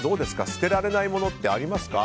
捨てられないものってありますか。